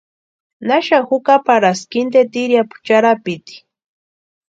¿Naxani jukaparaski inte tiriapu charhapiti?